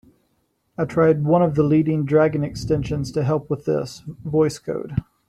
I tried one of the leading Dragon extensions to help with this, Voice Code.